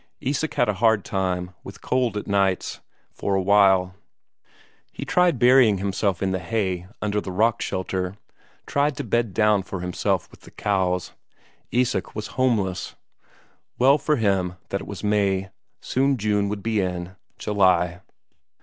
Isak had a hard time, with cold at nights, for a while; he tried burying himself in the hay under the rock shelter, tried to bed down for himself with the cows. Isak was homeless. Well for him that it was May; soon June would be in; July....